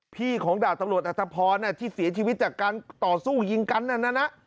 พี่ของดาวน์ตำรวจอัตภพรน่ะที่เสียชีวิตจากการต่อสู้ยิงกันน่ะน่ะน่ะ